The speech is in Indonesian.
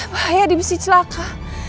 bahaya dibisik celaka